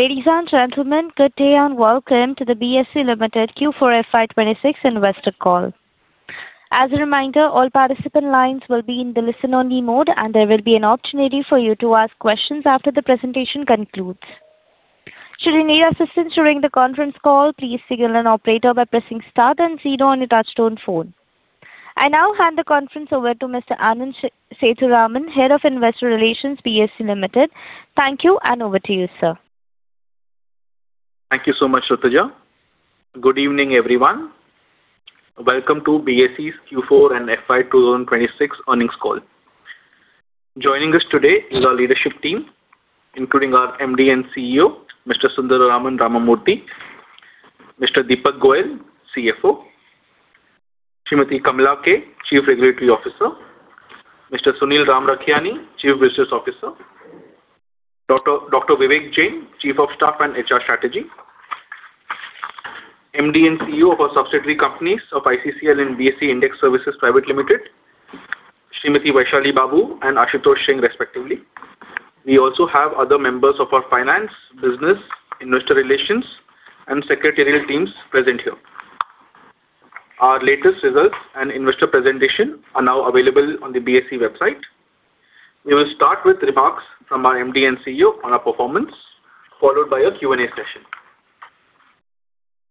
Ladies and gentlemen, good day and welcome to the BSE Limited Q4 FY 2026 investor call. As a reminder, all participant lines will be in the listen-only mode. There will be an opportunity for you to ask questions after the presentation concludes. Should you need assistance during the conference call, please signal an operator by pressing star zero on your touchtone phone. I now hand the conference over to Mr. Anand Sethuraman, Head of Investor Relations, BSE Limited. Thank you. Over to you, sir. Thank you so much, Ruthuja. Good evening, everyone. Welcome to BSE's Q4 and FY 2026 earnings call. Joining us today is our leadership team, including our MD and CEO, Mr. Sundararaman Ramamurthy, Mr. Deepak Goel, CFO, Srimati Kamala K, Chief Regulatory Officer, Mr. Sunil Ramrakhiani, Chief Business Officer, Dr. Vivek Jain, Chief of Staff and HR Strategy, MD and CEO of our subsidiary companies of ICCL and BSE Index Services Private Limited, Srimati Vaisshali Babu and Ashutosh Singh respectively. We also have other members of our finance, business, investor relations, and secretarial teams present here. Our latest results and investor presentation are now available on the BSE website. We will start with remarks from our MD and CEO on our performance, followed by a Q&A session.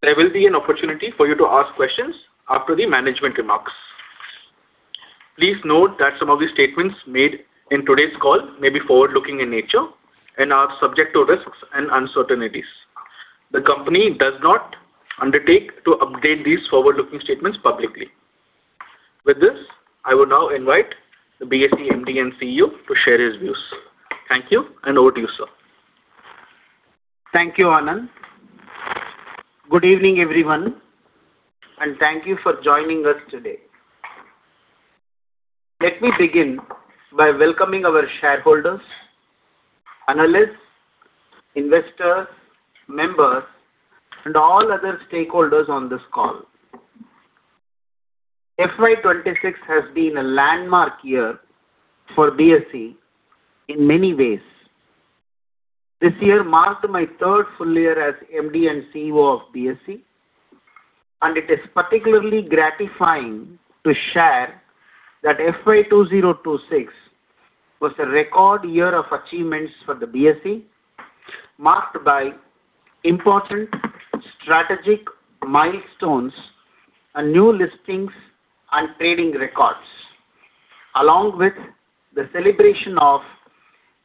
There will be an opportunity for you to ask questions after the management remarks. Please note that some of the statements made in today's call may be forward-looking in nature and are subject to risks and uncertainties. The company does not undertake to update these forward-looking statements publicly. With this, I will now invite the BSE MD and CEO to share his views. Thank you, and over to you, sir. Thank you, Anand. Good evening, everyone, and thank you for joining us today. Let me begin by welcoming our shareholders, analysts, investors, members, and all other stakeholders on this call. FY 2026 has been a landmark year for BSE in many ways. This year marked my third full year as MD and CEO of BSE, and it is particularly gratifying to share that FY 2026 was a record year of achievements for the BSE, marked by important strategic milestones and new listings and trading records, along with the celebration of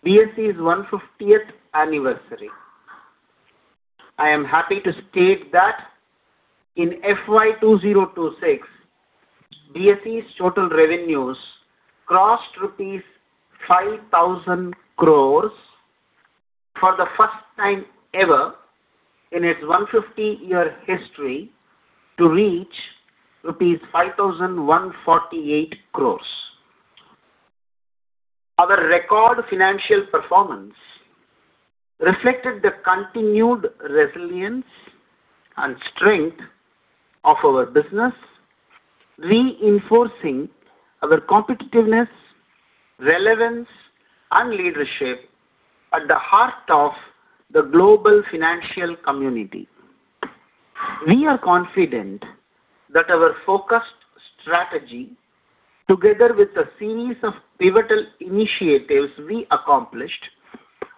BSE's 150th anniversary. I am happy to state that in FY 2026, BSE's total revenues crossed rupees 5,000 crore for the first time ever in its 150-year history to reach rupees 5,048 crore. Our record financial performance reflected the continued resilience and strength of our business, reinforcing our competitiveness, relevance, and leadership at the heart of the global financial community. We are confident that our focused strategy, together with a series of pivotal initiatives we accomplished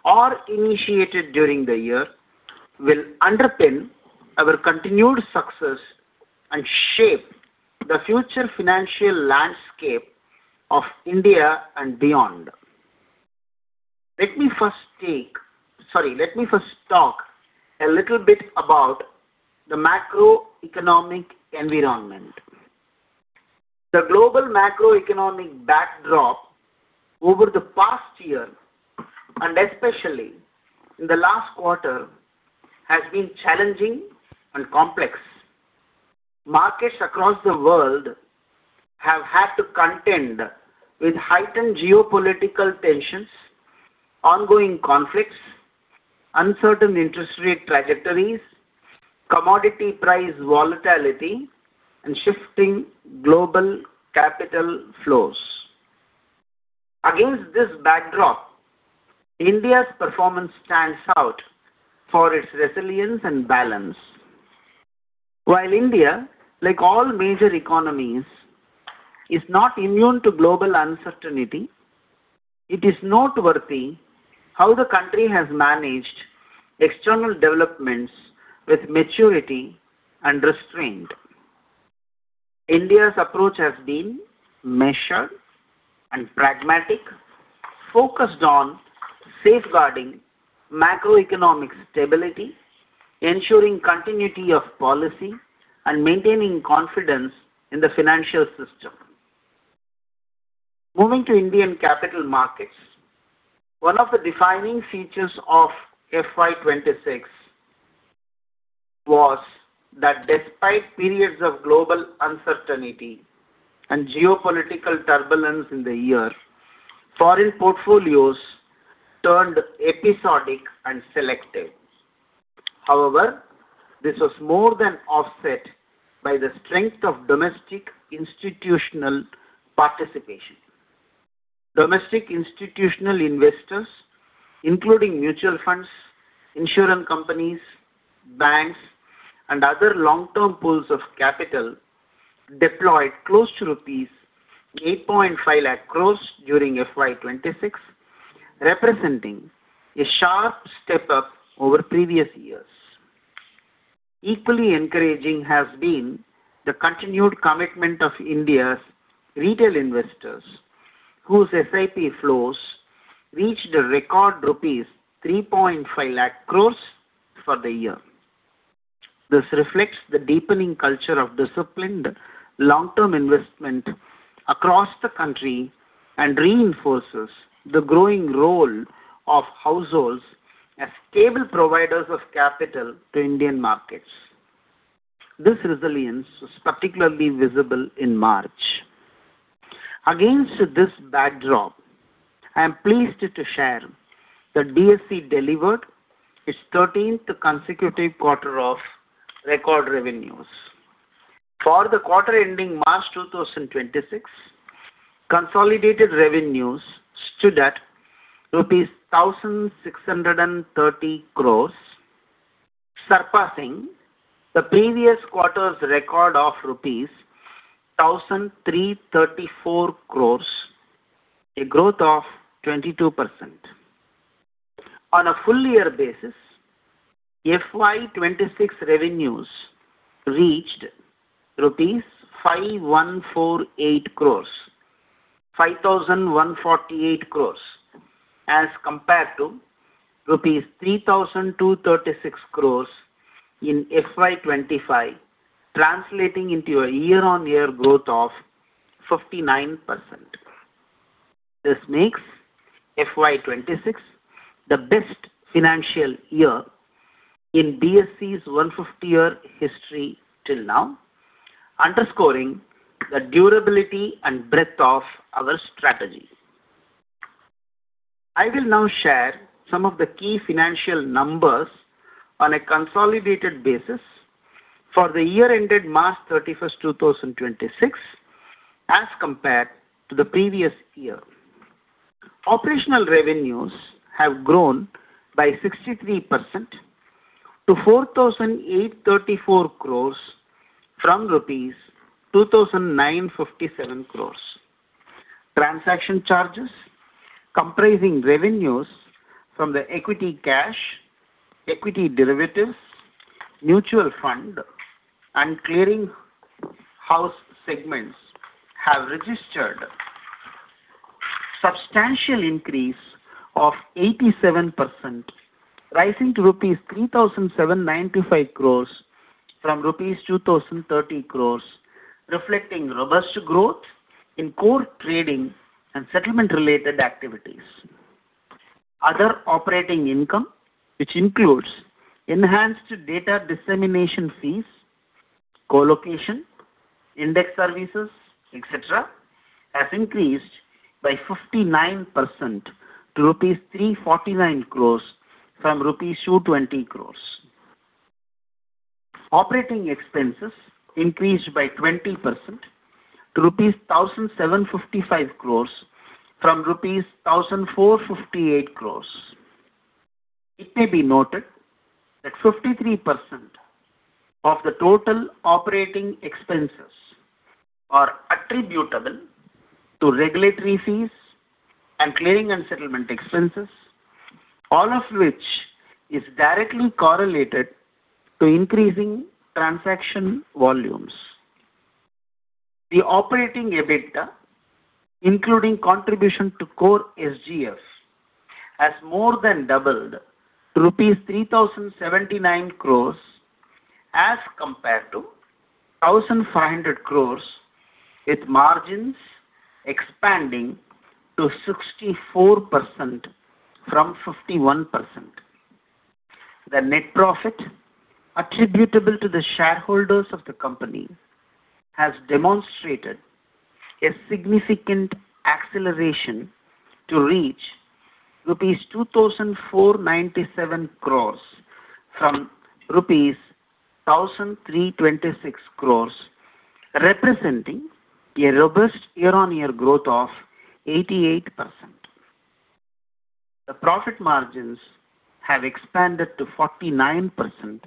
or initiated during the year, will underpin our continued success and shape the future financial landscape of India and beyond. Let me first talk a little bit about the macroeconomic environment. The global macroeconomic backdrop over the past year, and especially in the last quarter, has been challenging and complex. Markets across the world have had to contend with heightened geopolitical tensions, ongoing conflicts, uncertain interest rate trajectories, commodity price volatility, and shifting global capital flows. Against this backdrop, India's performance stands out for its resilience and balance. While India, like all major economies, is not immune to global uncertainty, it is noteworthy how the country has managed external developments with maturity and restraint. India's approach has been measured and pragmatic, focused on safeguarding macroeconomic stability, ensuring continuity of policy, and maintaining confidence in the financial system. Moving to Indian capital markets, one of the defining features of FY 2026 was that despite periods of global uncertainty and geopolitical turbulence in the year, foreign portfolios turned episodic and selective. This was more than offset by the strength of domestic institutional participation. Domestic institutional investors, including mutual funds, insurance companies, banks, and other long-term pools of capital deployed close to rupees 8.5 lakh crore during FY 2026, representing a sharp step up over previous years. Equally encouraging has been the continued commitment of India's retail investors, whose SIP flows reached a record rupees 3.5 lakh crore for the year. This reflects the deepening culture of disciplined long-term investment across the country and reinforces the growing role of households as stable providers of capital to Indian markets. This resilience was particularly visible in March. Against this backdrop, I am pleased to share that BSE delivered its thirteenth consecutive quarter of record revenues. For the quarter ending March 2026, consolidated revenues stood at rupees 1,630 crore, surpassing the previous quarter's record of rupees 1,334 crore, a growth of 22%. On a full year basis, FY 2026 revenues reached rupees 5,148 crore, 5,148 crore as compared to rupees 3,236 crore in FY 2025, translating into a year-on-year growth of 59%. This makes FY 2026 the best financial year in BSE's 150 year history till now, underscoring the durability and breadth of our strategy. I will now share some of the key financial numbers on a consolidated basis for the year ended March 31st, 2026 as compared to the previous year. Operational revenues have grown by 63% to 4,834 crore from rupees 2,957 crore. Transaction charges comprising revenues from the equity cash, equity derivatives, mutual fund, and clearing house segments have registered substantial increase of 87%, rising to rupees 3,795 crore from rupees 2,030 crore, reflecting robust growth in core trading and settlement-related activities. Other operating income, which includes enhanced data dissemination fees, co-location, index services, et cetera, has increased by 59% to rupees 349 crore from rupees 220 crore. Operating expenses increased by 20% to rupees 1,755 crore from rupees 1,458 crore. It may be noted that 53% of the total operating expenses are attributable to regulatory fees and clearing and settlement expenses, all of which is directly correlated to increasing transaction volumes. The operating EBIT, including contribution to core SGF, has more than doubled to rupees 3,079 crore as compared to 1,500 crore, with margins expanding to 64% from 51%. The net profit attributable to the shareholders of the company has demonstrated a significant acceleration to reach rupees 2,497 crore from rupees 1,326 crore, representing a robust year-on-year growth of 88%. The profit margins have expanded to 49%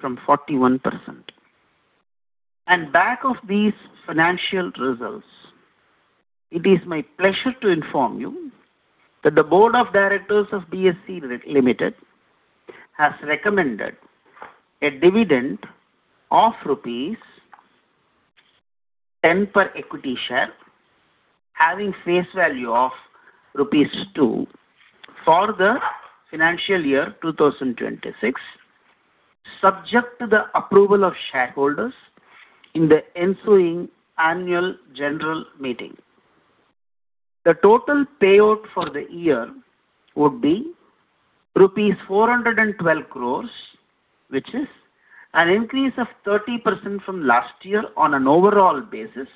from 41%. Back of these financial results, it is my pleasure to inform you that the Board of Directors of BSE Limited has recommended a dividend of rupees 10 per equity share, having face value of rupees 2 for the financial year 2026, subject to the approval of shareholders in the ensuing annual general meeting. The total payout for the year would be rupees 412 crore, which is an increase of 30% from last year on an overall basis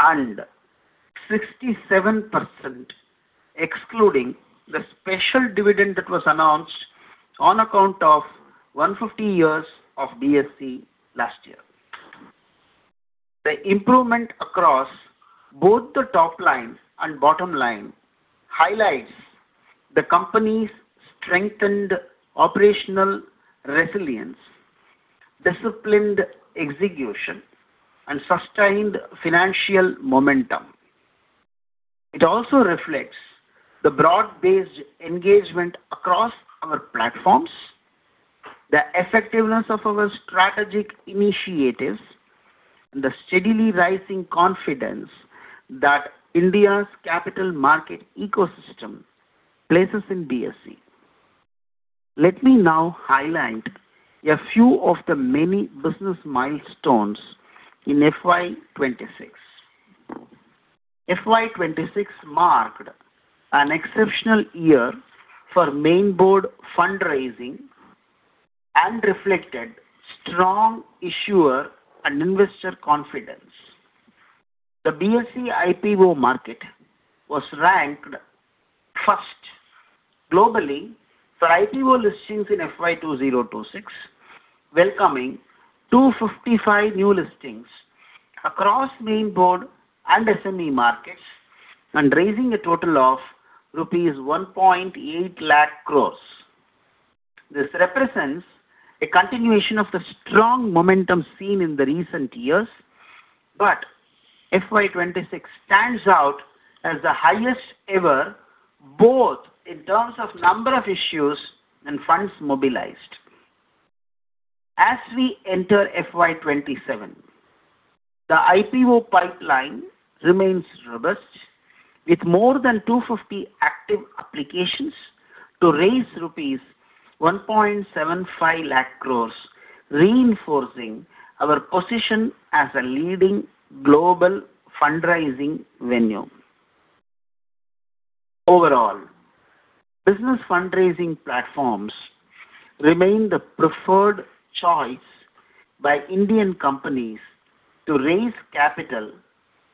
and 67% excluding the special dividend that was announced on account of 150 years of BSE last year. The improvement across both the top line and bottom line highlights the company's strengthened operational resilience, disciplined execution, and sustained financial momentum. It also reflects the broad-based engagement across our platforms, the effectiveness of our strategic initiatives, and the steadily rising confidence that India's capital market ecosystem places in BSE. Let me now highlight a few of the many business milestones in FY 2026. FY 2026 marked an exceptional year for main board fundraising and reflected strong issuer and investor confidence. The BSE IPO market was ranked first globally for IPO listings in FY 2026, welcoming 255 new listings across main board and SME markets, and raising a total of rupees 1.8 lakh crore. This represents a continuation of the strong momentum seen in the recent years, but FY 2026 stands out as the highest ever, both in terms of number of issues and funds mobilized. As we enter FY 2027, the IPO pipeline remains robust with more than 250 active applications to raise rupees 1.75 lakh crore, reinforcing our position as a leading global fundraising venue. Overall, business fundraising platforms remain the preferred choice by Indian companies to raise capital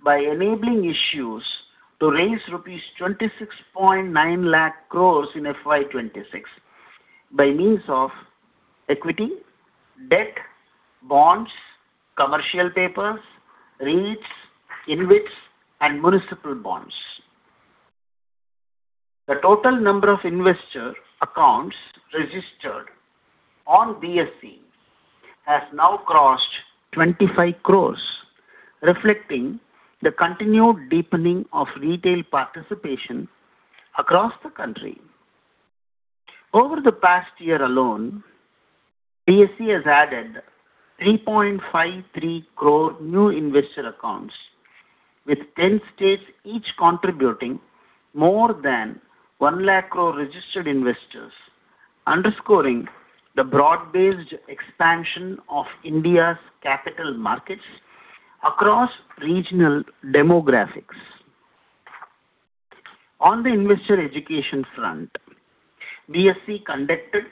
by enabling issues to raise rupees 26.9 lakh crore in FY 2026 by means of equity, debt, bonds, commercial papers, REITs, InvITs, and municipal bonds. The total number of investor accounts registered on BSE has now crossed 25 crore, reflecting the continued deepening of retail participation across the country. Over the past year alone, BSE has added 3.53 crore new investor accounts, with 10 states each contributing more than 1 lakh crore registered investors, underscoring the broad-based expansion of India's capital markets across regional demographics. On the investor education front, BSE conducted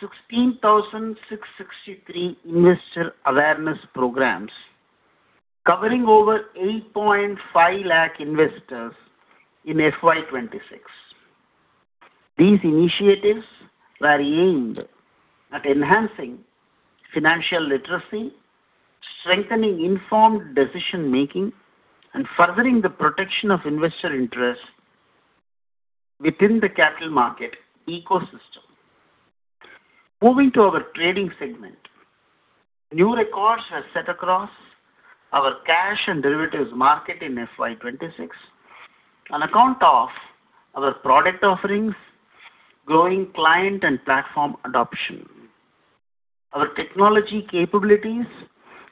16,663 investor awareness programs covering over 8.5 lakh investors in FY 2026. These initiatives were aimed at enhancing financial literacy, strengthening informed decision-making, and furthering the protection of investor interest within the capital market ecosystem. Moving to our trading segment, new records were set across our cash and derivatives market in FY 2026 on account of our product offerings, growing client and platform adoption. Our technology capabilities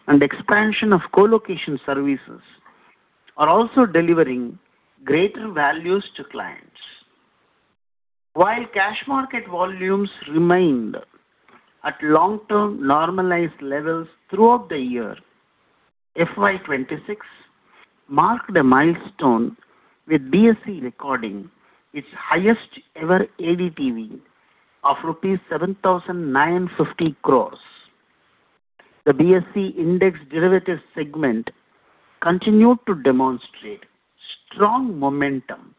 and expansion of colocation services are also delivering greater values to clients. While cash market volumes remained at long-term normalized levels throughout the year, FY 2026 marked a milestone with BSE recording its highest ever ADTV of rupees 7,950 crore. The BSE index derivatives segment continued to demonstrate strong momentum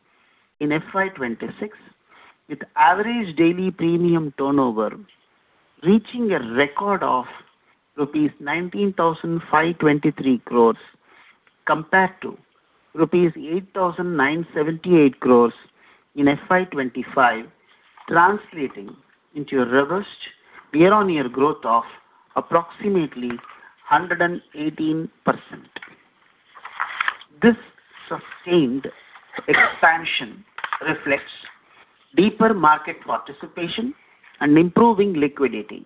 in FY 2026, with average daily premium turnover reaching a record of rupees 19,523 crore compared to rupees 8,978 crore in FY 2025, translating into a robust year-on-year growth of approximately 118%. This sustained expansion reflects deeper market participation and improving liquidity.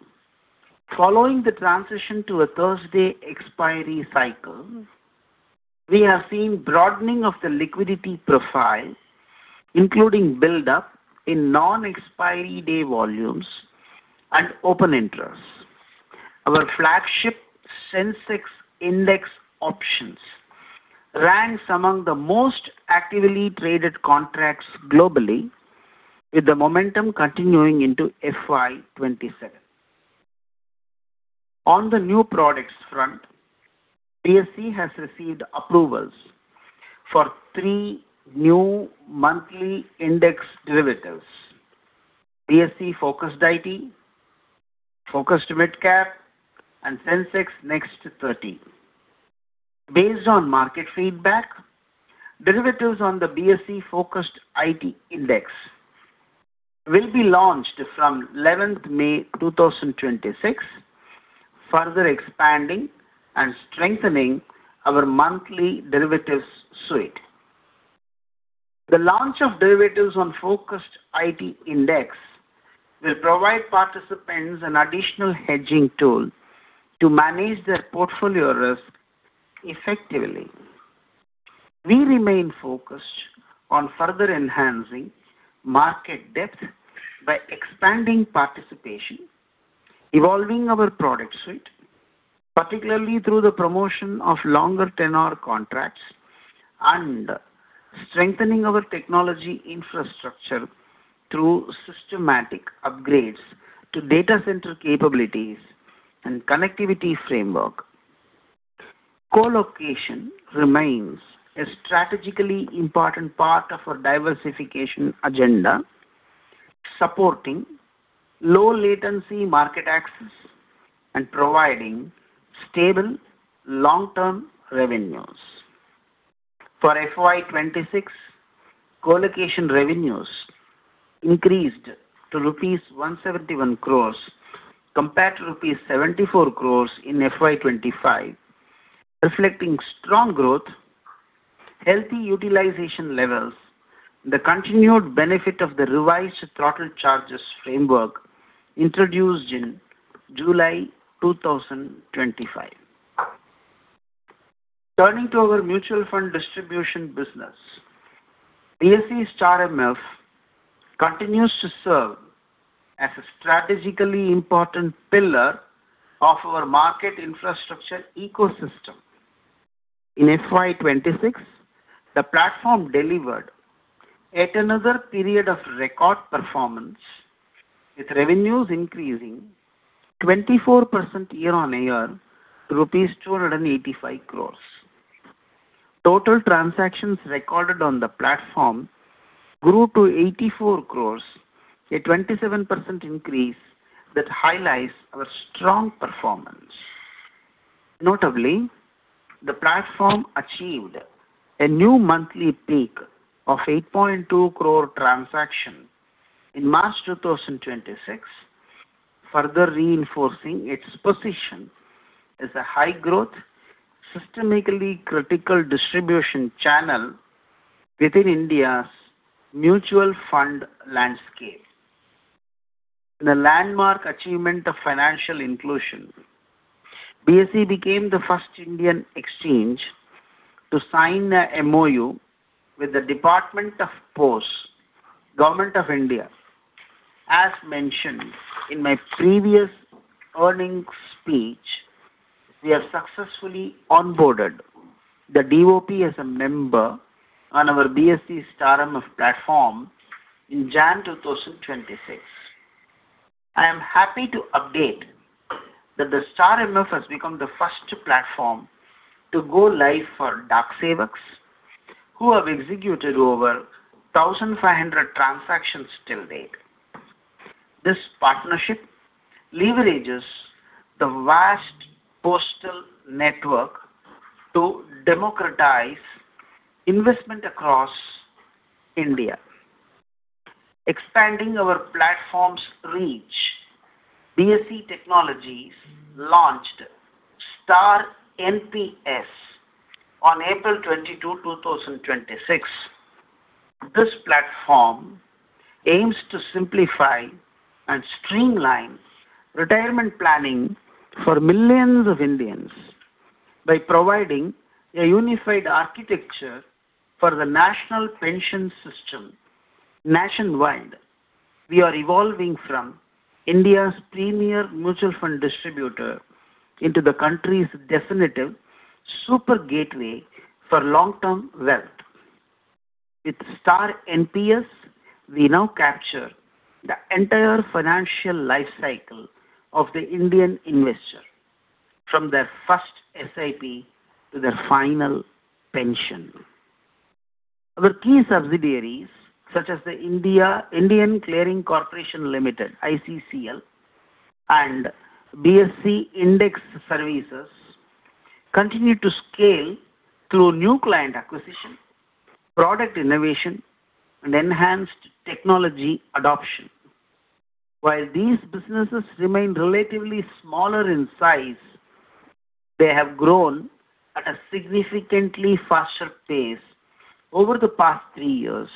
Following the transition to a Thursday expiry cycle, we have seen broadening of the liquidity profile, including buildup in non-expiry day volumes and open interest. Our flagship Sensex index options ranks among the most actively traded contracts globally, with the momentum continuing into FY 2027. On the new products front, BSE has received approvals for three new monthly index derivatives. BSE Focused IT, Focused Midcap, and Sensex Next 30. Based on market feedback, derivatives on the BSE Focused IT Index will be launched from 11th May 2026, further expanding and strengthening our monthly derivatives suite. The launch of derivatives on Focused IT Index will provide participants an additional hedging tool to manage their portfolio risk effectively. We remain focused on further enhancing market depth by expanding participation, evolving our product suite, particularly through the promotion of longer tenure contracts, and strengthening our technology infrastructure through systematic upgrades to data center capabilities and connectivity framework. Colocation remains a strategically important part of our diversification agenda, supporting low latency market access and providing stable long-term revenues. For FY 2026, colocation revenues increased to rupees 171 crore compared to rupees 74 crore in FY 2025, reflecting strong growth, healthy utilization levels, the continued benefit of the revised throttle charges framework introduced in July 2025. Turning to our mutual fund distribution business, BSE StAR MF continues to serve as a strategically important pillar of our market infrastructure ecosystem. In FY 2026, the platform delivered yet another period of record performance with revenues increasing 24% year-on-year to INR 285 crore. Total transactions recorded on the platform grew to 84 crore, a 27% increase that highlights our strong performance. Notably, the platform achieved a new monthly peak of 8.2 crore transaction in March 2026, further reinforcing its position as a high-growth, systemically critical distribution channel within India's mutual fund landscape. In a landmark achievement of financial inclusion, BSE became the first Indian exchange to sign a MOU with the Department of Posts, Government of India. As mentioned in my previous earnings speech, we have successfully onboarded the DoP as a member on our BSE StAR MF platform in January 2026. I am happy to update that the StAR MF has become the first platform to go live for Dak Sevaks, who have executed over 1,500 transactions till date. This partnership leverages the vast postal network to democratize investment across India. Expanding our platform's reach, BSE Technologies launched BSE StAR NPS on April 22, 2026. This platform aims to simplify and streamline retirement planning for millions of Indians by providing a unified architecture for the National Pension System nationwide. We are evolving from India's premier mutual fund distributor into the country's definitive super gateway for long-term wealth. With BSE StAR NPS, we now capture the entire financial life cycle of the Indian investor, from their first SIP to their final pension. Our key subsidiaries, such as Indian Clearing Corporation Limited, ICCL, and BSE Index Services, continue to scale through new client acquisition, product innovation, and enhanced technology adoption. While these businesses remain relatively smaller in size, they have grown at a significantly faster pace over the past three years,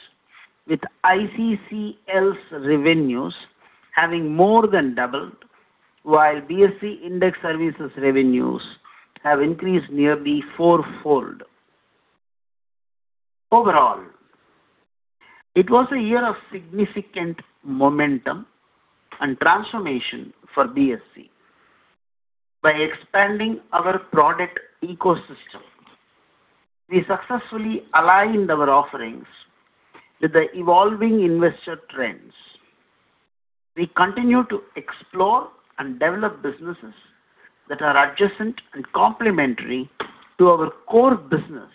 with ICCL's revenues having more than doubled, while BSE Index Services revenues have increased nearly four-fold. Overall, it was a year of significant momentum and transformation for BSE. By expanding our product ecosystem. We successfully aligned our offerings with the evolving investor trends. We continue to explore and develop businesses that are adjacent and complementary to our core business,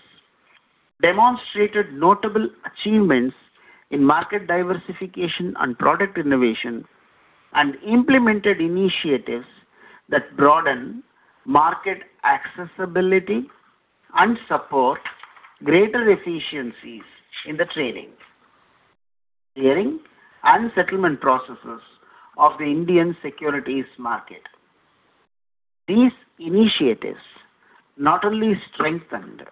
demonstrated notable achievements in market diversification and product innovation, and implemented initiatives that broaden market accessibility and support greater efficiencies in the trading, clearing, and settlement processes of the Indian securities market. These initiatives not only strengthened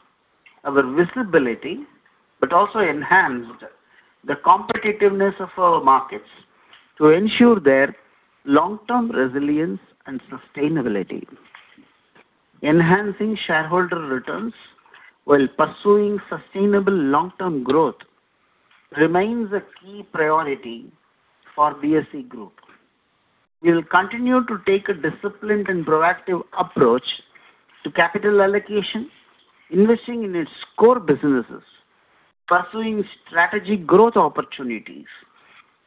our visibility, but also enhanced the competitiveness of our markets to ensure their long-term resilience and sustainability. Enhancing shareholder returns while pursuing sustainable long-term growth remains a key priority for BSE Group. We will continue to take a disciplined and proactive approach to capital allocation, investing in its core businesses, pursuing strategic growth opportunities,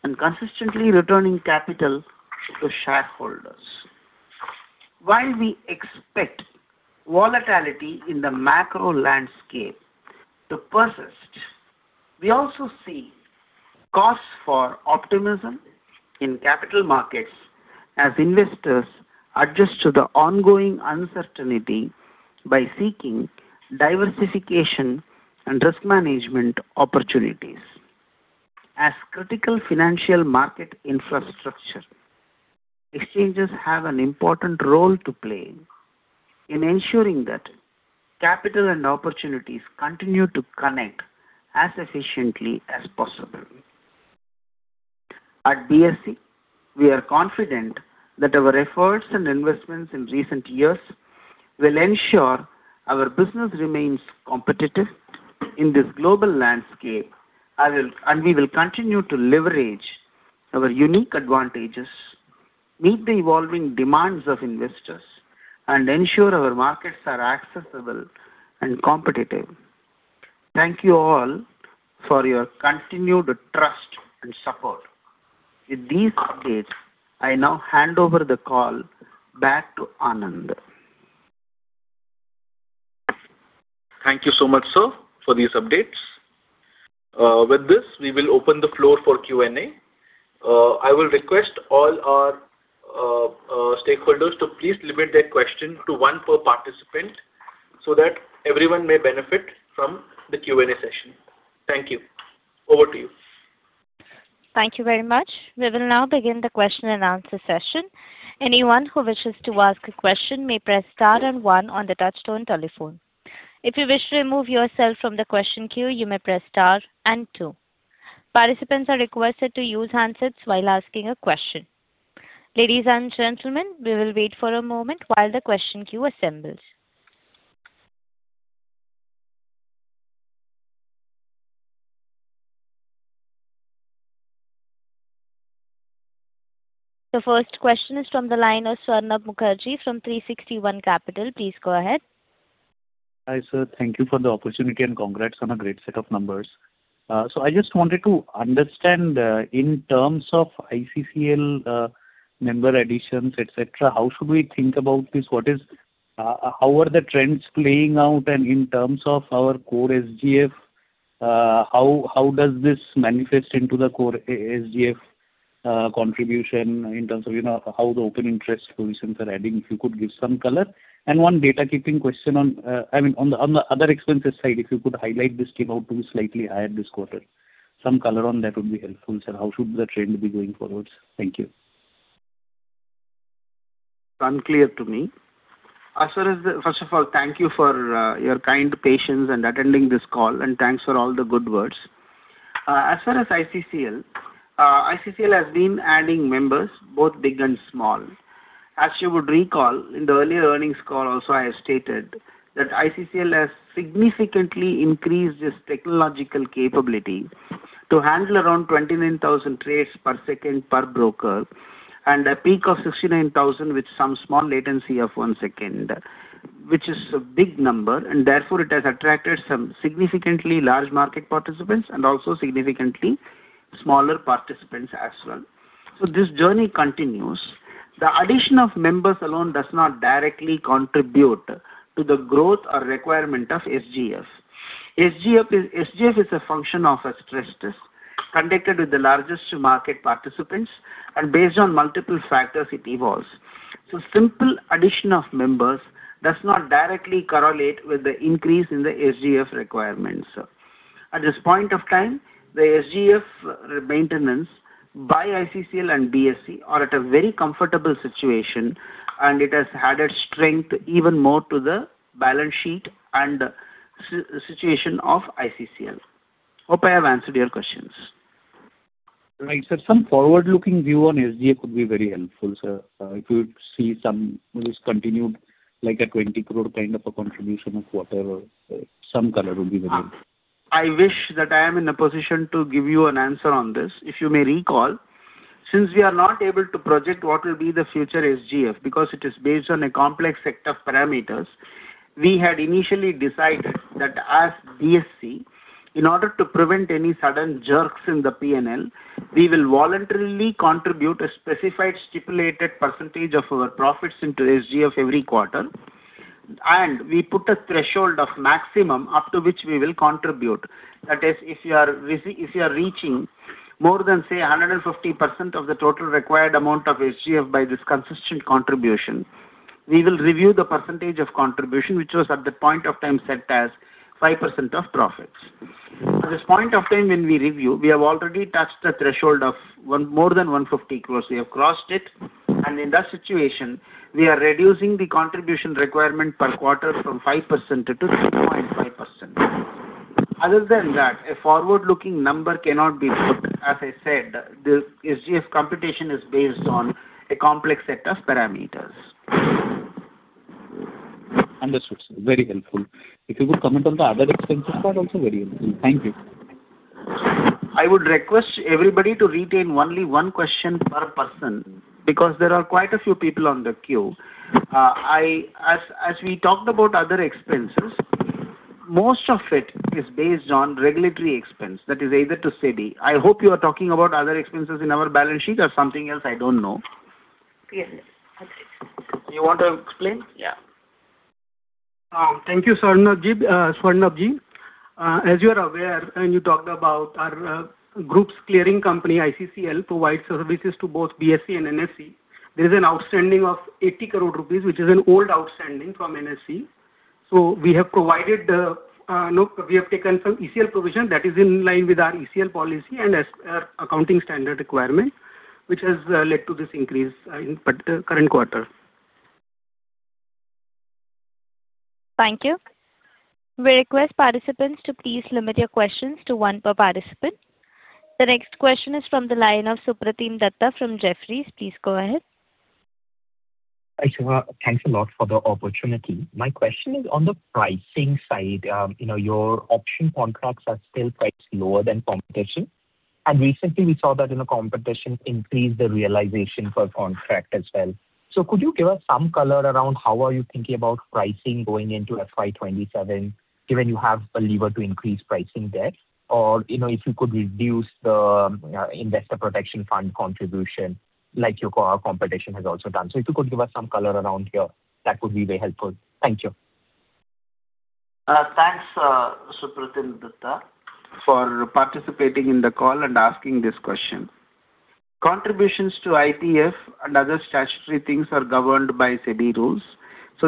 and consistently returning capital to shareholders. While we expect volatility in the macro landscape to persist, we also see cause for optimism in capital markets as investors adjust to the ongoing uncertainty by seeking diversification and risk management opportunities. As critical financial market infrastructure, exchanges have an important role to play in ensuring that capital and opportunities continue to connect as efficiently as possible. At BSE, we are confident that our efforts and investments in recent years will ensure our business remains competitive in this global landscape, and we will continue to leverage our unique advantages, meet the evolving demands of investors, and ensure our markets are accessible and competitive. Thank you all for your continued trust and support. With these updates, I now hand over the call back to Anand. Thank you so much, sir, for these updates. With this, we will open the floor for Q&A. I will request all our stakeholders to please limit their question to one per participant so that everyone may benefit from the Q&A session. Thank you. Over to you. Thank you very much. We will now begin the question and answer session. Anyone who wishes to ask a question may press star and one on the touchtone telephone. If you wish to remove yourself from the question queue, you may press star and two. Participants are requested to use handsets while asking a question. Ladies and gentlemen, we will wait for a moment while the question queue assembles. The first question is from the line of Swarnabha Mukherjee from 360 ONE. Please go ahead. Hi, sir. Thank you for the opportunity, congrats on a great set of numbers. I just wanted to understand, in terms of ICCL member additions, et cetera, how should we think about this? How are the trends playing out? In terms of our core SGF, how does this manifest into the core A-SGF contribution in terms of, you know, how the open interest positions are adding? If you could give some color. One data keeping question on, I mean, on the other expenses side, if you could highlight this came out to be slightly higher this quarter. Some color on that would be helpful, sir. How should the trend be going forwards? Thank you. Unclear to me. As far as the First of all, thank you for your kind patience in attending this call, and thanks for all the good words. As far as ICCL has been adding members, both big and small. As you would recall, in the earlier earnings call also, I have stated that ICCL has significantly increased its technological capability to handle around 29,000 trades per second per broker and a peak of 69,000 with some small latency of one second, which is a big number, and therefore it has attracted some significantly large market participants and also significantly smaller participants as well. This journey continues. The addition of members alone does not directly contribute to the growth or requirement of SGF. SGF is a function of a stress test conducted with the largest market participants, and based on multiple factors it evolves. Simple addition of members does not directly correlate with the increase in the SGF requirements. At this point of time, the SGF maintenance by ICCL and BSE are at a very comfortable situation, and it has added strength even more to the balance sheet and situation of ICCL. Hope I have answered your questions. Right, sir. Some forward-looking view on SGF could be very helpful, sir. If you see some this continued, like a 20 crore kind of a contribution of whatever. Some color would be very helpful. I wish that I am in a position to give you an answer on this. If you may recall. Since we are not able to project what will be the future SGF because it is based on a complex set of parameters, we had initially decided that as BSE, in order to prevent any sudden jerks in the P&L, we will voluntarily contribute a specified stipulated percentage of our profits into SGF every quarter. We put a threshold of maximum up to which we will contribute. That is, if you are reaching more than, say, 150% of the total required amount of SGF by this consistent contribution, we will review the percentage of contribution, which was at that point of time set as 5% of profits. At this point of time when we review, we have already touched the threshold of more than 150 crore. We have crossed it. In that situation, we are reducing the contribution requirement per quarter from 5% to 2.5%. Other than that, a forward-looking number cannot be put. As I said, the SGF computation is based on a complex set of parameters. Understood, sir. Very helpful. If you could comment on the other expenses part also, very helpful. Thank you. I would request everybody to retain only one question per person because there are quite a few people on the queue. As we talked about other expenses, most of it is based on regulatory expense that is either to SEBI. I hope you are talking about other expenses in our balance sheet or something else, I don't know. Yes. Okay. You want to explain? Yeah. Thank you, Swarnab. As you are aware, you talked about our group's clearing company, ICCL, provides services to both BSE and NSE. There is an outstanding of 80 crore rupees, which is an old outstanding from NSE. We have provided, no, we have taken some ECL provision that is in line with our ECL policy and as accounting standard requirement, which has led to this increase in current quarter. Thank you. We request participants to please limit your questions to one per participant. The next question is from the line of Supratim Datta from Jefferies. Please go ahead. Hi, Shiva. Thanks a lot for the opportunity. My question is on the pricing side. You know, your option contracts are still priced lower than competition. Recently we saw that in a competition increased the realization for contract as well. Could you give us some color around how are you thinking about pricing going into FY 2027, given you have a lever to increase pricing there? You know, if you could reduce the Investor Protection Fund contribution like your competition has also done. If you could give us some color around here, that would be very helpful. Thank you. Thanks, Supratim Datta, for participating in the call and asking this question. Contributions to IPF and other statutory things are governed by SEBI rules,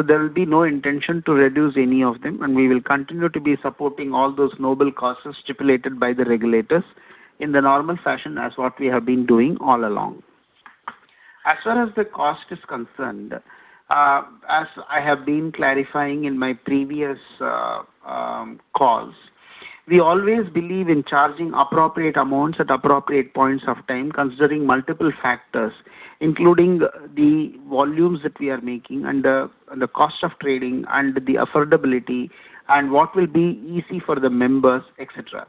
there will be no intention to reduce any of them, and we will continue to be supporting all those noble causes stipulated by the regulators in the normal fashion as what we have been doing all along. As far as the cost is concerned, as I have been clarifying in my previous calls, we always believe in charging appropriate amounts at appropriate points of time, considering multiple factors, including the volumes that we are making and the cost of trading and the affordability and what will be easy for the members, et cetera.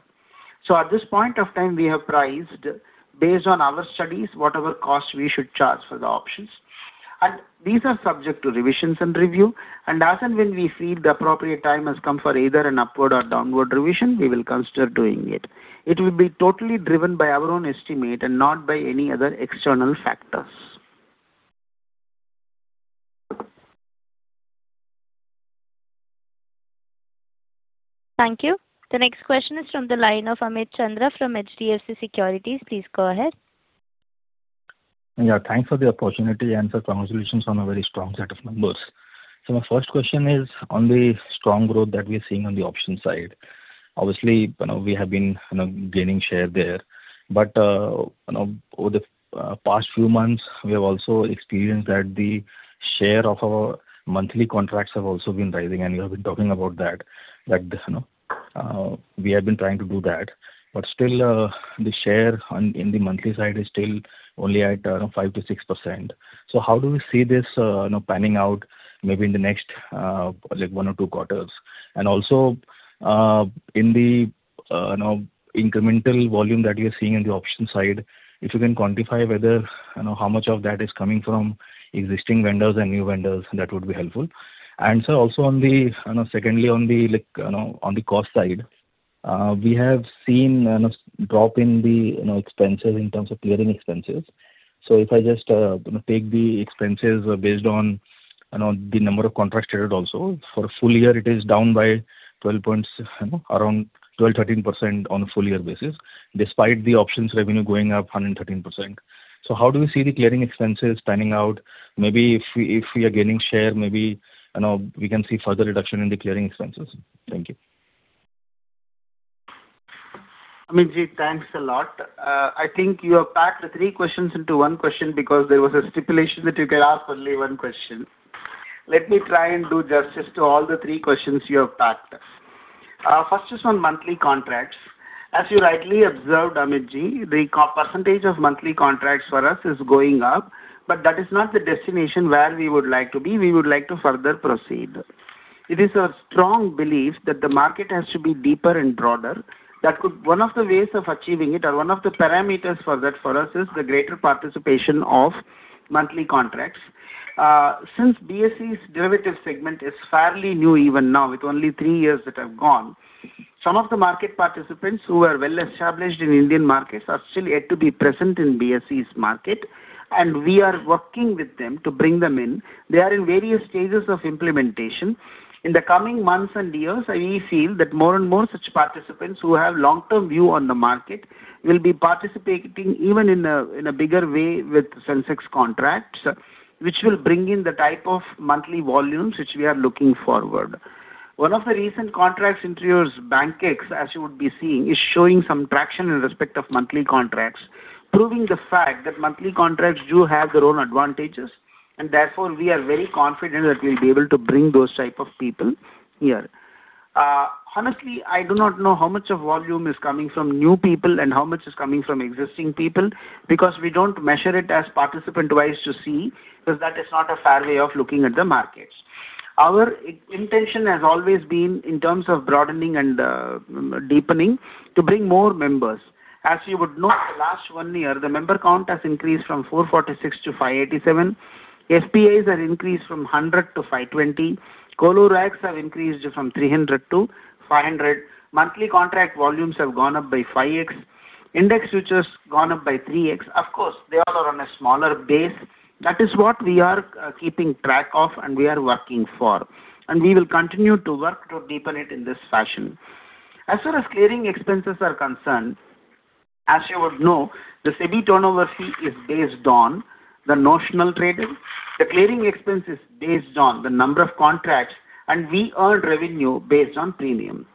At this point of time, we have priced based on our studies, whatever cost we should charge for the options. These are subject to revisions and review. As and when we feel the appropriate time has come for either an upward or downward revision, we will consider doing it. It will be totally driven by our own estimate and not by any other external factors. Thank you. The next question is from the line of Amit Chandra from HDFC Securities. Please go ahead. Thanks for the opportunity and for congratulations on a very strong set of numbers. My first question is on the strong growth that we're seeing on the option side. Obviously, you know, we have been, you know, gaining share there. You know, over the past few months, we have also experienced that the share of our monthly contracts have also been rising, and you have been talking about that, like this, you know. We have been trying to do that, but still, the share on, in the monthly side is still only at 5%-6%. How do we see this, you know, panning out maybe in the next, like one or two quarters? Also, in the, you know, incremental volume that you're seeing in the option side, if you can quantify whether, you know, how much of that is coming from existing vendors and new vendors, that would be helpful. Sir, also on the, you know, secondly, on the, like, you know, on the cost side, we have seen, you know, drop in the, you know, expenses in terms of clearing expenses. If I just, you know, take the expenses based on, you know, the number of contracts traded also, for a full year it is down by 12%-13% on a full year basis, despite the options revenue going up 113%. How do you see the clearing expenses panning out? Maybe if we, if we are gaining share, maybe, you know, we can see further reduction in the clearing expenses. Thank you. Amit, thanks a lot. I think you have packed the three questions into one question because there was a stipulation that you can ask only one question. Let me try and do justice to all the three questions you have packed. First is on monthly contracts. As you rightly observed, Amit, the co- percentage of monthly contracts for us is going up, but that is not the destination where we would like to be. We would like to further proceed. It is our strong belief that the market has to be deeper and broader. One of the ways of achieving it or one of the parameters for that for us is the greater participation of monthly contracts. Since BSE's derivative segment is fairly new even now, with only three years that have gone, some of the market participants who are well-established in Indian markets are still yet to be present in BSE's market, and we are working with them to bring them in. They are in various stages of implementation. In the coming months and years, we feel that more and more such participants who have long-term view on the market will be participating even in a bigger way with Sensex contracts, which will bring in the type of monthly volumes which we are looking forward. One of the recent contracts introduced, BANKEX, as you would be seeing, is showing some traction in respect of monthly contracts, proving the fact that monthly contracts do have their own advantages, and therefore we are very confident that we'll be able to bring those type of people here. Honestly, I do not know how much of volume is coming from new people and how much is coming from existing people because we don't measure it as participant-wise to see, because that is not a fair way of looking at the markets. Our intention has always been in terms of broadening and deepening to bring more members. As you would know, the last one year, the member count has increased from 446 to 587. FBAs are increased from 100 to 520. Colo racks have increased from 300 to 500. Monthly contract volumes have gone up by 5x. Index, which has gone up by 3x. Of course, they all are on a smaller base. That is what we are keeping track of and we are working for, and we will continue to work to deepen it in this fashion. As far as clearing expenses are concerned, as you would know, the SEBI turnover fee is based on the notional trading. The clearing expense is based on the number of contracts, and we earn revenue based on premium.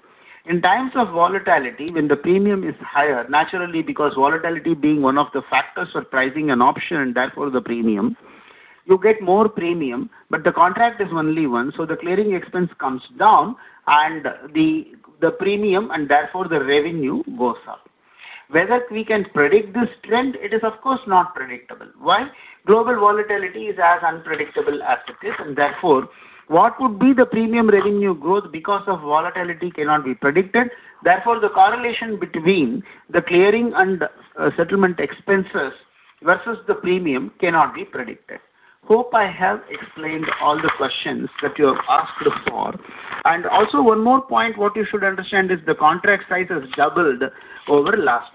In times of volatility, when the premium is higher, naturally because volatility being one of the factors for pricing an option and therefore the premium, you get more premium, but the contract is only one, so the clearing expense comes down and the premium and therefore the revenue goes up. Whether we can predict this trend, it is of course not predictable. Why? Global volatility is as unpredictable as it is, and therefore, what would be the premium revenue growth because of volatility cannot be predicted. The correlation between the clearing and settlement expenses versus the premium cannot be predicted. Hope I have explained all the questions that you have asked for. Also one more point what you should understand is the contract size has doubled over last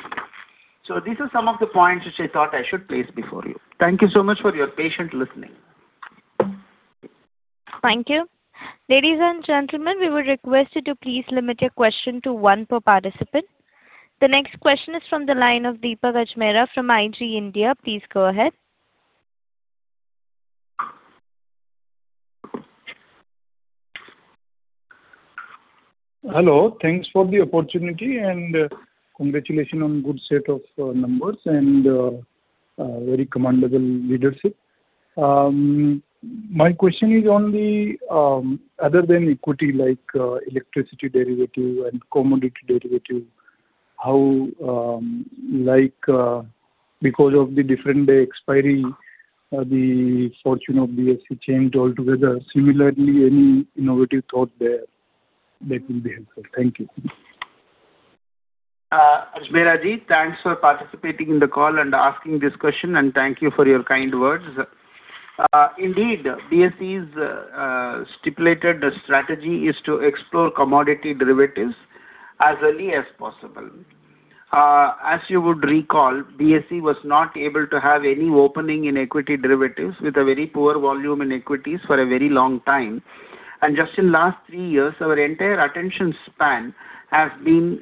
year. These are some of the points which I thought I should place before you. Thank you so much for your patient listening. Thank you. Ladies and gentlemen, we would request you to please limit your question to one per participant. The next question is from the line of Deepa Ajmera from IG India. Please go ahead. Hello. Thanks for the opportunity and congratulations on good set of numbers and very commendable leadership. My question is on the other than equity like electricity derivative and commodity derivative, how because of the different day expiry the fortune of BSE changed altogether. Any innovative thought there that will be helpful. Thank you. Ajmera, thanks for participating in the call and asking this question, and thank you for your kind words. Indeed, BSE's stipulated strategy is to explore commodity derivatives as early as possible. As you would recall, BSE was not able to have any opening in equity derivatives with a very poor volume in equities for a very long time. Just in last three years, our entire attention span has been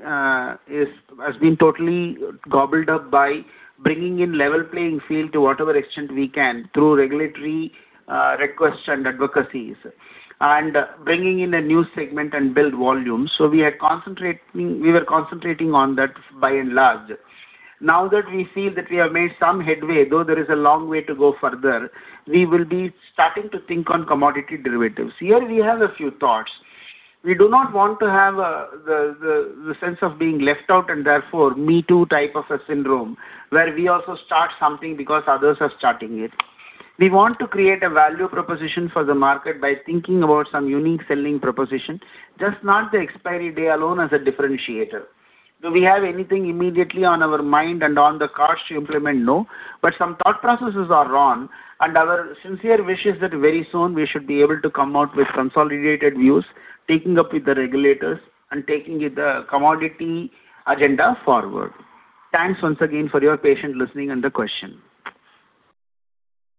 totally gobbled up by bringing in level playing field to whatever extent we can through regulatory requests and advocacies and bringing in a new segment and build volume. We are concentrating, we were concentrating on that by and large. That we feel that we have made some headway, though there is a long way to go further, we will be starting to think on commodity derivatives. Here we have a few thoughts. We do not want to have the sense of being left out and therefore me too type of a syndrome where we also start something because others are starting it. We want to create a value proposition for the market by thinking about some unique selling proposition, just not the expiry day alone as a differentiator. Do we have anything immediately on our mind and on the cards to implement? No. Some thought processes are on, and our sincere wish is that very soon we should be able to come out with consolidated views, taking up with the regulators and taking the commodity agenda forward. Thanks once again for your patient listening and the question.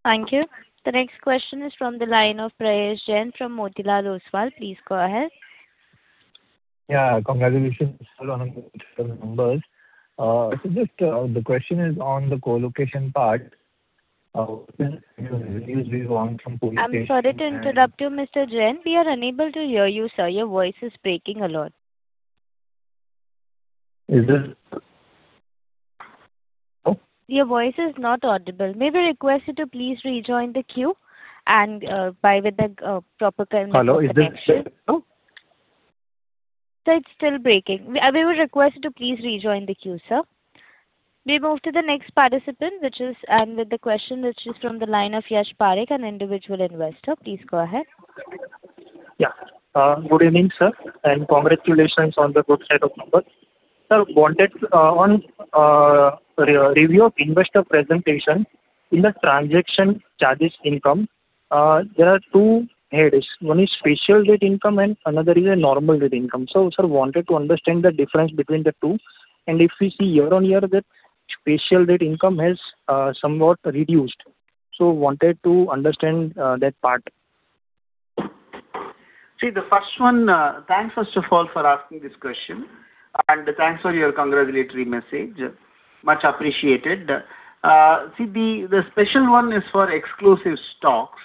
Thank you. The next question is from the line of Prayesh Jain from Motilal Oswal. Please go ahead. Yeah, congratulations on the numbers. Just, the question is on the colocation part. Since you said you want some colocation. I'm sorry to interrupt you, Mr. Jain. We are unable to hear you, sir. Your voice is breaking a lot. Is this Hello? Your voice is not audible. May we request you to please rejoin the queue and by with a proper connection. Hello, is this? Hello? Sir, it's still breaking. We would request you to please rejoin the queue, sir. We move to the next participant, with the question, which is from the line of Yash Parekh, an individual investor. Please go ahead. Good evening, sir, and congratulations on the good set of numbers. Sir, wanted on re-review of investor presentation. In the transaction charges income, there are two areas. One is special rate income and another is a normal rate income. Sir, wanted to understand the difference between the two. If we see year-on-year, that special rate income has somewhat reduced. Wanted to understand that part. See the first one, thanks first of all for asking this question. Thanks for your congratulatory message. Much appreciated. See the special one is for exclusive stocks.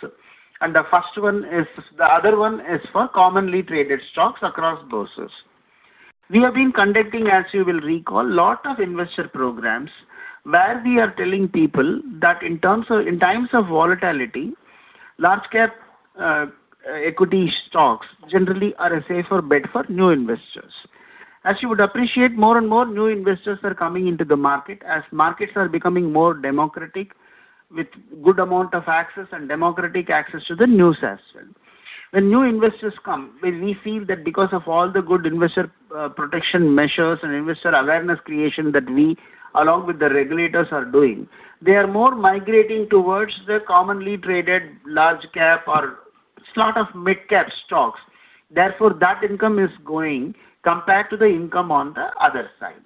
The other one is for commonly traded stocks across bourses. We have been conducting, as you will recall, lot of investor programs where we are telling people that in terms of in times of volatility, large cap equity stocks generally are a safer bet for new investors. As you would appreciate, more and more new investors are coming into the market as markets are becoming more democratic with good amount of access and democratic access to the news as well. When new investors come, when we feel that because of all the good investor protection measures and investor awareness creation that we along with the regulators are doing, they are more migrating towards the commonly traded large cap or sort of mid-cap stocks. That income is going compared to the income on the other side.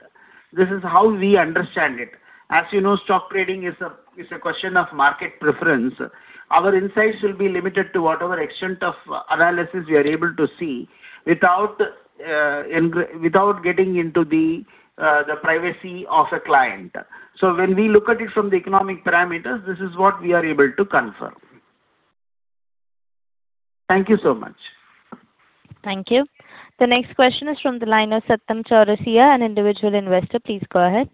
This is how we understand it. As you know, stock trading is a question of market preference. Our insights will be limited to whatever extent of analysis we are able to see without getting into the privacy of a client. When we look at it from the economic parameters, this is what we are able to confirm. Thank you so much. Thank you. The next question is from the line of Satyam Chaurasia, an individual investor. Please go ahead.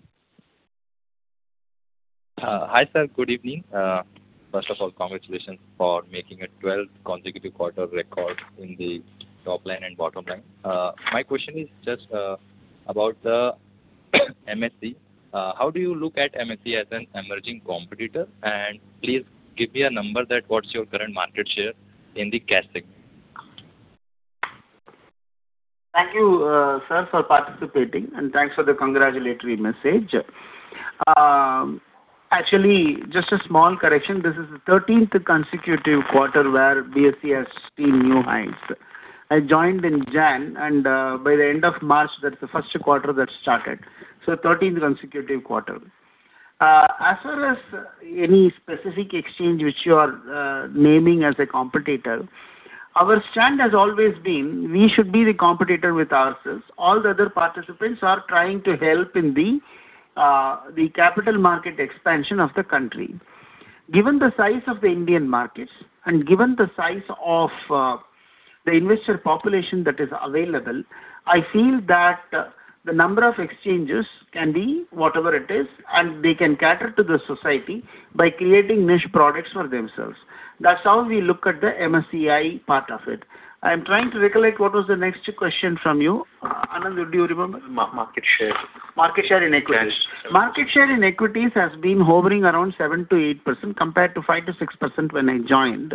Hi, sir. Good evening. First of all, congratulations for making a 12 consecutive quarter record in the top line and bottom line. My question is just about the MSEI. How do you look at MSEI as an emerging competitor? Please give me a number that what's your current market share in the cash segment. Thank you, sir, for participating, and thanks for the congratulatory message. Actually, just a small correction. This is the 13th consecutive quarter where BSE has seen new highs. I joined in January, and, by the end of March, that's the first quarter that started. 13th consecutive quarter. As far as any specific exchange which you are naming as a competitor, our stand has always been we should be the competitor with ourselves. All the other participants are trying to help in the capital market expansion of the country. Given the size of the Indian markets and given the size of the investor population that is available, I feel that the number of exchanges can be whatever it is, and they can cater to the society by creating niche products for themselves. That's how we look at the MSEI part of it. I am trying to recollect what was the next question from you. Anand, do you remember? Market share. Market share in equities. Yes. Market share in equities has been hovering around 7%-8% compared to 5%-6% when I joined.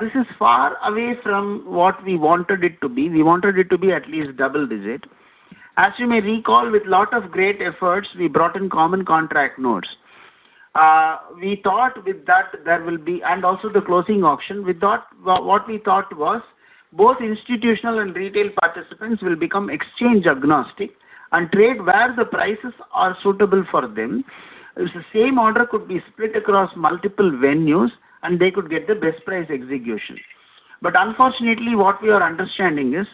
This is far away from what we wanted it to be. We wanted it to be at least double digit. As you may recall, with lot of great efforts, we brought in common contract notes. We thought with that and also the closing auction. What we thought was both institutional and retail participants will become exchange agnostic and trade where the prices are suitable for them. The same order could be split across multiple venues, and they could get the best price execution. Unfortunately, what we are understanding is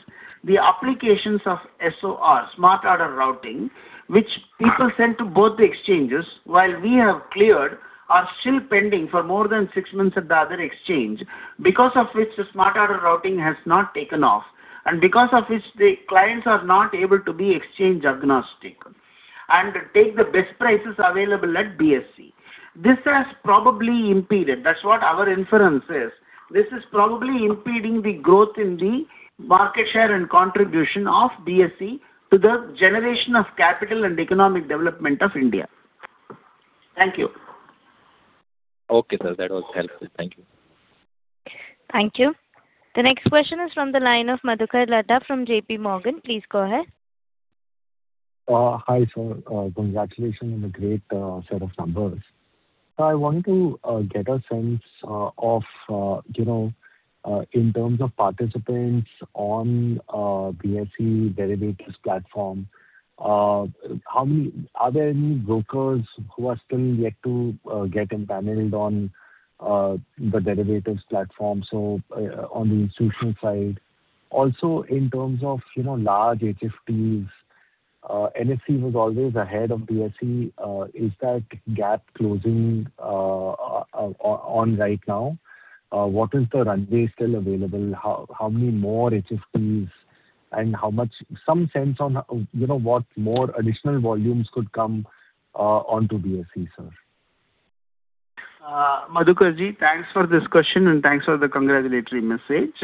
the applications of SOR, smart order routing, which people send to both the exchanges while we have cleared are still pending for more than six months at the other exchange because of which the smart order routing has not taken off and because of which the clients are not able to be exchange agnostic and take the best prices available at BSE. This has probably impeded. That's what our inference is. This is probably impeding the growth in the market share and contribution of BSE to the generation of capital and economic development of India. Thank you. Okay, sir. That was helpful. Thank you. Thank you. The next question is from the line of Madhukar Ladha from JPMorgan. Please go ahead. Hi, sir. Congratulations on the great set of numbers. I wanted to get a sense of, you know, in terms of participants on BSE derivatives platform. Are there any brokers who are still yet to get empaneled on the derivatives platform, so on the institutional side? In terms of, you know, large HFTs, NSE was always ahead of BSE. Is that gap closing on right now? What is the runway still available? How many more HFTs and some sense on, you know, what more additional volumes could come onto BSE, sir? Madhukar, thanks for this question, and thanks for the congratulatory message.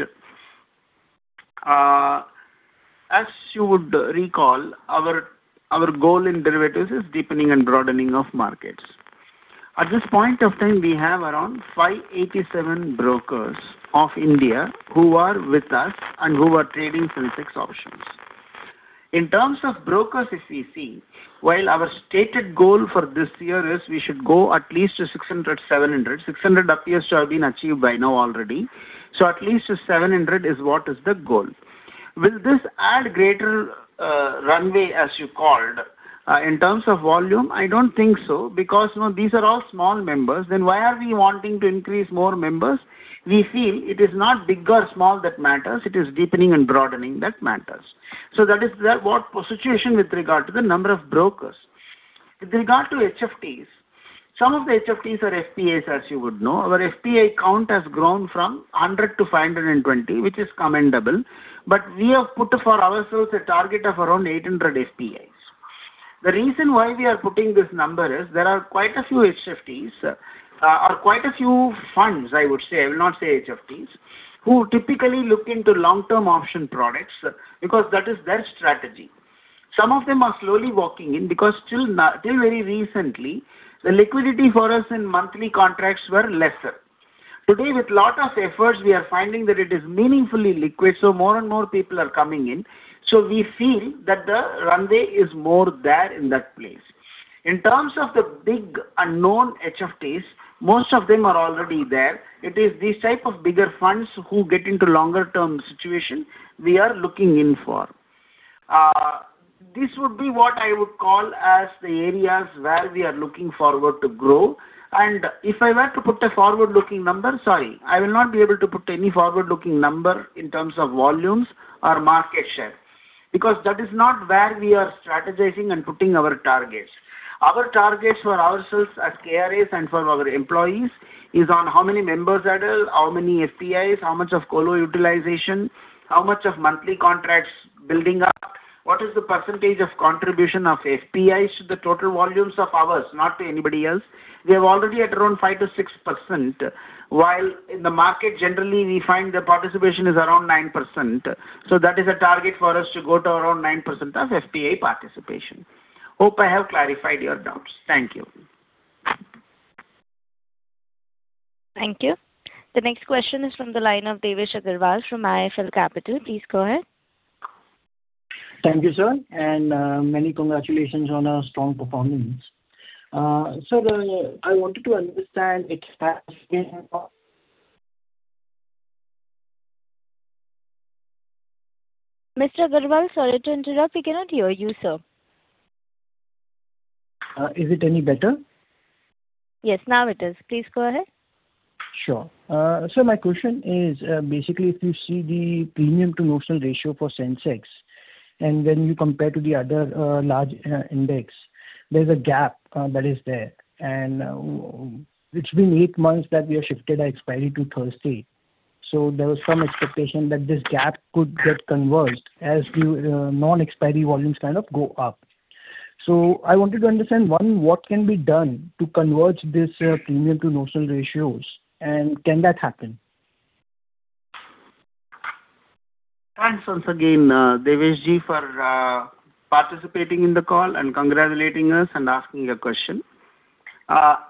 As you would recall, our goal in derivatives is deepening and broadening of markets. At this point of time, we have around 587 brokers of India who are with us and who are trading Sensex options. In terms of brokers if we see, while our stated goal for this year is we should go at least to 600, 700. 600 appears to have been achieved by now already. At least 700 is what is the goal. Will this add greater runway, as you called, in terms of volume? I don't think so, because, you know, these are all small members. Why are we wanting to increase more members? We feel it is not big or small that matters, it is deepening and broadening that matters. That is the situation with regard to the number of brokers. With regard to HFTs, some of the HFTs are FBAs, as you would know. Our FBA count has grown from 100 to 520, which is commendable. We have put for ourselves a target of around 800 FBAs. The reason why we are putting this number is there are quite a few HFTs, or quite a few funds, I would say, I will not say HFTs, who typically look into long-term option products because that is their strategy. Some of them are slowly walking in because till very recently, the liquidity for us in monthly contracts were lesser. Today, with lot of efforts, we are finding that it is meaningfully liquid, more and more people are coming in. We feel that the runway is more there in that place. In terms of the big unknown HFTs, most of them are already there. It is these type of bigger funds who get into longer term situation we are looking in for. This would be what I would call as the areas where we are looking forward to grow. If I were to put a forward-looking number, sorry, I will not be able to put any forward-looking number in terms of volumes or market share, because that is not where we are strategizing and putting our targets. Our targets for ourselves at KRA and for our employees is on how many members added, how many FBAs, how much of colo utilization, how much of monthly contracts building up, what is the percentage of contribution of FBAs to the total volumes of ours, not to anybody else. We are already at around 5% to 6%, while in the market generally we find the participation is around 9%. That is a target for us to go to around 9% of FBA participation. Hope I have clarified your doubts. Thank you. Thank you. The next question is from the line of Devesh Agarwal from IIFL Capital. Please go ahead. Thank you, sir, and many congratulations on a strong performance. Sir, the, I wanted to understand. Mr. Agarwal, sorry to interrupt. We cannot hear you, sir. Is it any better? Yes, now it is. Please go ahead. Sure. So my question is, basically if you see the premium to notional ratio for Sensex, when you compare to the other, large, index, there's a gap that is there. It's been eight months that we have shifted our expiry to Thursday. There was some expectation that this gap could get converged as the non-expiry volumes kind of go up. I wanted to understand, one, what can be done to converge this premium to notional ratios, and can that happen? Thanks once again, Devesh, for participating in the call and congratulating us and asking your question.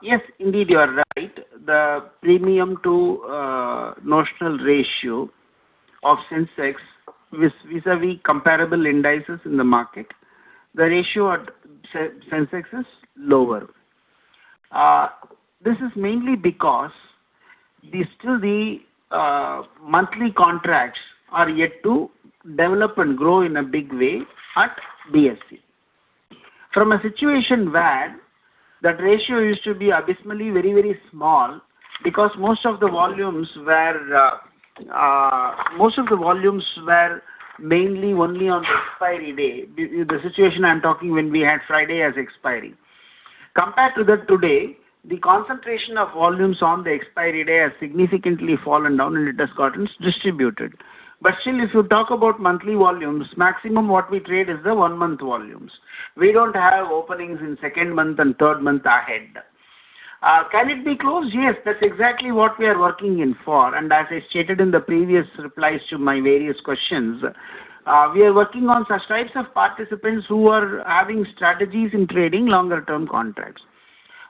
Yes, indeed you are right. The premium to notional ratio of Sensex vis-a-vis comparable indices in the market, the ratio at Sensex is lower. This is mainly because the, still the, monthly contracts are yet to develop and grow in a big way at BSE. From a situation where the ratio used to be abysmally very, very small because most of the volumes were mainly only on the expiry day. The situation I'm talking when we had Friday as expiry. Compared to that today, the concentration of volumes on the expiry day has significantly fallen down, and it has gotten distributed. Still, if you talk about monthly volumes, maximum what we trade is the one-month volumes. We don't have openings in second month and third month ahead. Can it be closed? Yes, that's exactly what we are working in for. As I stated in the previous replies to my various questions, we are working on such types of participants who are having strategies in trading longer term contracts.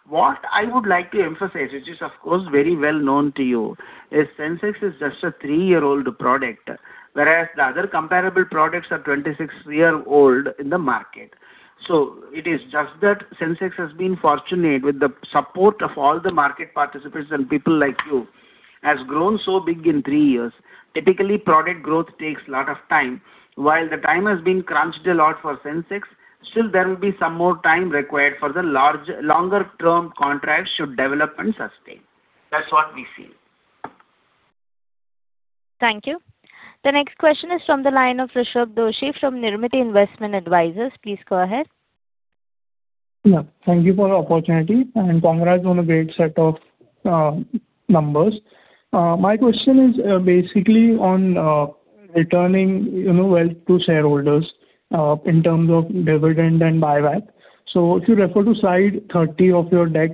What I would like to emphasize, which is of course very well known to you, is Sensex is just a three-year-old product, whereas the other comparable products are 26-year-old in the market. It is just that Sensex has been fortunate with the support of all the market participants and people like you, has grown so big in three years. Typically, product growth takes lot of time. While the time has been crunched a lot for Sensex, still there will be some more time required for the large, longer term contracts should develop and sustain. That's what we feel. Thank you. The next question is from the line of Rushabh Doshi from Nirmiti Investment Advisors. Please go ahead. Yeah, thank you for the opportunity, congrats on a great set of numbers. My question is basically on Returning, you know, wealth to shareholders in terms of dividend and buyback. If you refer to slide 30 of your deck,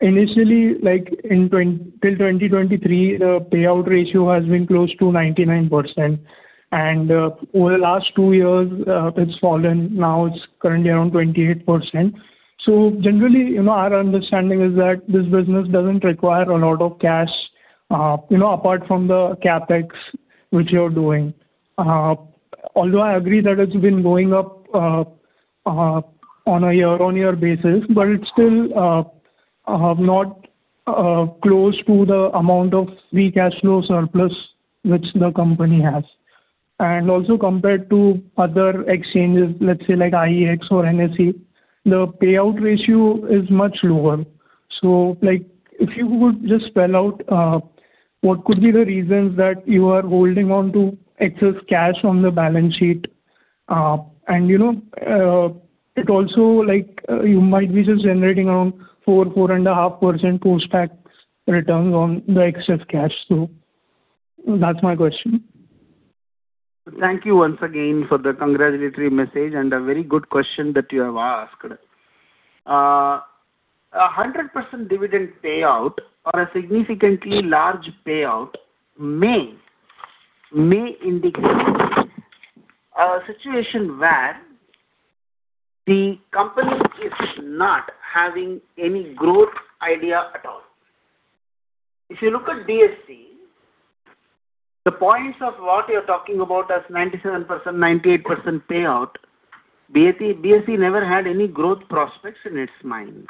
initially, like in till 2023, the payout ratio has been close to 99%. Over the last two years, it's fallen. Now it's currently around 28%. Generally, you know, our understanding is that this business doesn't require a lot of cash, you know, apart from the CapEx which you're doing. Although I agree that it's been going up on a year-on-year basis, but it's still not close to the amount of free cash flow surplus which the company has. Also compared to other exchanges, let's say like IEX or NSE, the payout ratio is much lower. Like, if you would just spell out what could be the reasons that you are holding on to excess cash on the balance sheet. You know, it also like, you might be just generating around 4.5% post-tax returns on the excess cash. That's my question. Thank you once again for the congratulatory message and a very good question that you have asked. A 100% dividend payout or a significantly large payout may indicate a situation where the company is not having any growth idea at all. If you look at BSE, the points of what you're talking about as 97%, 98% payout, BSE never had any growth prospects in its mind.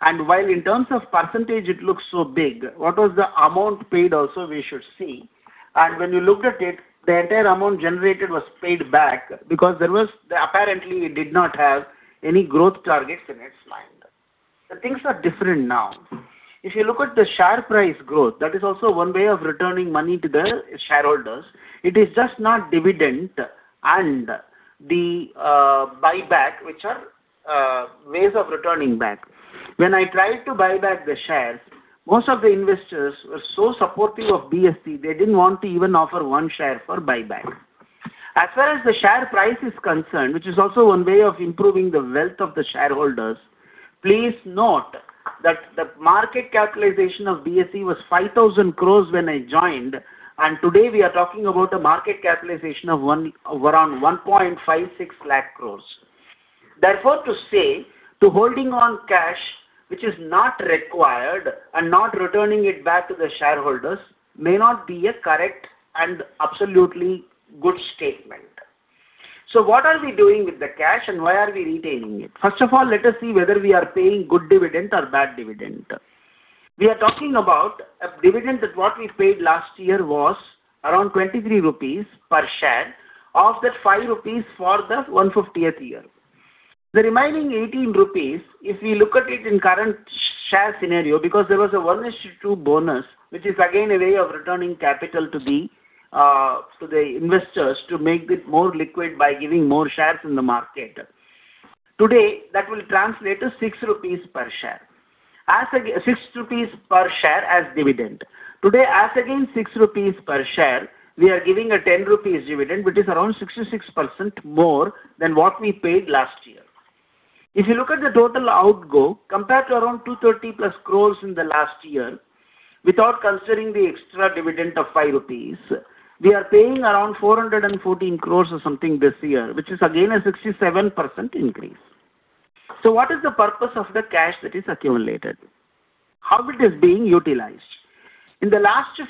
While in terms of percentage it looks so big, what was the amount paid also we should see. When you look at it, the entire amount generated was paid back because apparently it did not have any growth targets in its mind. The things are different now. If you look at the share price growth, that is also one way of returning money to the shareholders. It is just not dividend and the buyback, which are ways of returning back. When I tried to buy back the shares, most of the investors were so supportive of BSE, they didn't want to even offer one share for buyback. As far as the share price is concerned, which is also one way of improving the wealth of the shareholders, please note that the market capitalization of BSE was 5,000 crore when I joined, and today we are talking about a market capitalization of around 1.56 lakh crore. Therefore, to say to holding on cash which is not required and not returning it back to the shareholders may not be a correct and absolutely good statement. What are we doing with the cash and why are we retaining it? First of all, let us see whether we are paying good dividend or bad dividend. We are talking about a dividend that what we paid last year was around 23 rupees per share. Of that, 5 rupees for the 150th year. The remaining 18 rupees, if we look at it in current share scenario, because there was a one-is-to-two bonus, which is again a way of returning capital to the investors to make it more liquid by giving more shares in the market. Today, that will translate to 6 rupees per share. As 6 rupees per share as dividend. Today, as again 6 rupees per share, we are giving a 10 rupees dividend, which is around 66% more than what we paid last year. If you look at the total outflow, compared to around 230+ crore in the last year, without considering the extra dividend of 5 rupees, we are paying around 414 crore or something this year, which is again a 67% increase. What is the purpose of the cash that is accumulated? How it is being utilized? In the last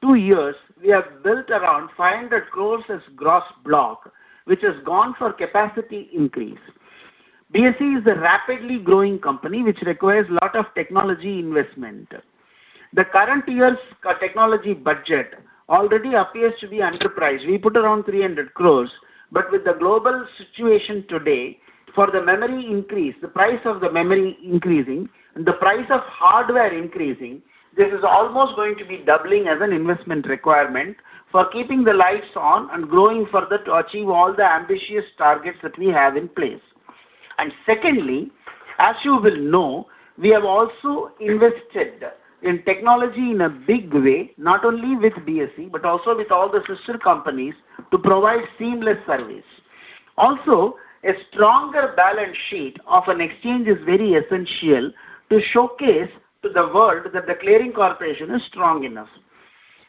two years, we have built around 500 crore as gross block, which has gone for capacity increase. BSE is a rapidly growing company which requires lot of technology investment. The current year's technology budget already appears to be enterprise. We put around 300 crore. With the global situation today, for the memory increase, the price of the memory increasing and the price of hardware increasing, this is almost going to be doubling as an investment requirement for keeping the lights on and growing further to achieve all the ambitious targets that we have in place. Secondly, as you will know, we have also invested in technology in a big way, not only with BSE, but also with all the sister companies to provide seamless service. Also, a stronger balance sheet of an exchange is very essential to showcase to the world that the clearing corporation is strong enough.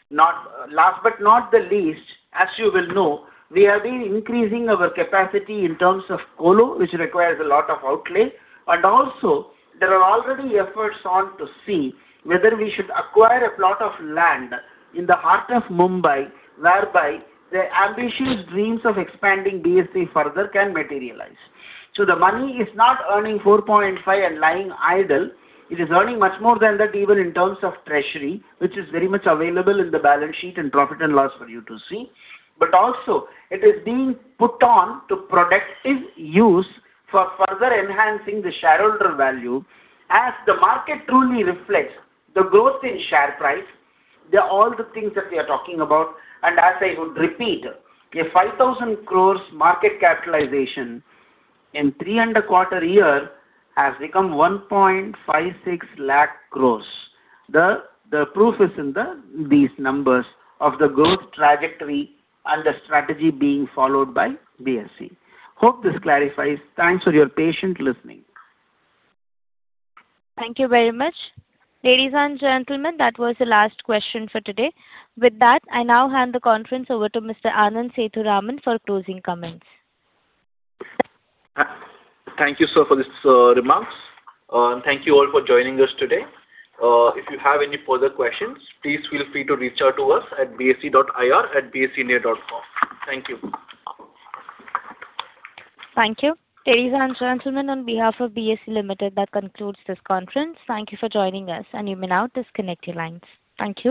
Last but not the least, as you will know, we have been increasing our capacity in terms of colo, which requires a lot of outlay. Also there are already efforts on to see whether we should acquire a plot of land in the heart of Mumbai, whereby the ambitious dreams of expanding BSE further can materialize. The money is not earning 4.5 and lying idle. It is earning much more than that, even in terms of treasury, which is very much available in the balance sheet and profit and loss for you to see. Also it is being put on to productive use for further enhancing the shareholder value as the market truly reflects the growth in share price. All the things that we are talking about, and as I would repeat, an 5,000 crore market capitalization in three and a quarter year has become 1.56 lakh crore. The proof is in these numbers of the growth trajectory and the strategy being followed by BSE. Hope this clarifies. Thanks for your patient listening. Thank you very much. Ladies and gentlemen, that was the last question for today. With that, I now hand the conference over to Mr. Anand Sethuraman for closing comments. Thank you, sir, for these remarks. Thank you all for joining us today. If you have any further questions, please feel free to reach out to us at bse.ir@bseindia.com. Thank you. Thank you. Ladies and gentlemen, on behalf of BSE Limited, that concludes this conference. Thank you for joining us and you may now disconnect your lines. Thank you.